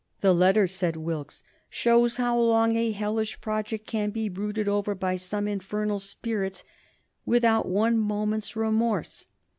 The letter, said Wilkes, "shows how long a hellish project can be brooded over by some infernal spirits without one moment's remorse."